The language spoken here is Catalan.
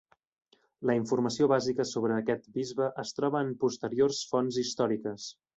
La informació bàsica sobre aquest bisbe es troba en posteriors fonts històriques.